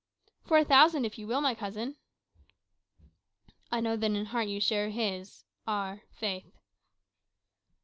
"For a thousand, if you will, my cousin." "I know that in heart you share his our faith."